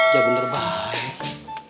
ya bener baik